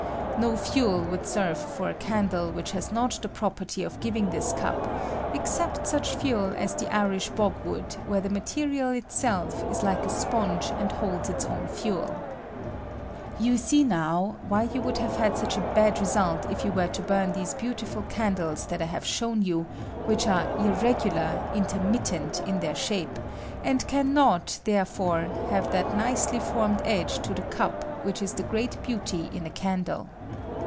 No fuel would serve for a candle which has not the property of giving this cup, except such fUel as the Irish bog wood, where the material itself is Hke a sponge and holds its own fuel. You see now why you would have had such a bad result if you were to bum these beautiful candles that I have shown you, which are irregular, intermittent in their shape, and can not, therefore, have that nicely formed edge to the cup which is the great beauty in a can dle.